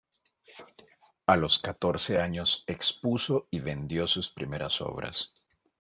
A los catorce años expuso y vendió sus primeras obras.